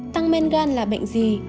tăng men gan là bệnh gì